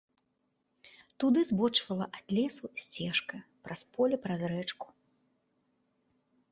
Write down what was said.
Туды збочвала ад лесу сцежка праз поле, праз рэчку.